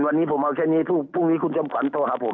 วันนี้ผมเอาแค่นี้พรุ่งนี้คุณจอมขวัญโทรหาผม